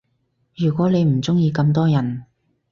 如果你唔鐘意咁多人